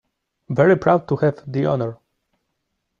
Very proud to have the honour!